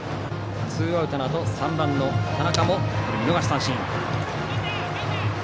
ツーアウトのあと３番の田中も見逃し三振。